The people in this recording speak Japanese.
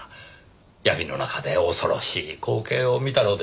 闇の中で恐ろしい光景を見たのです。